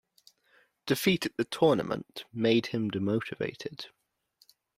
Defeat at the tournament made him demotivated.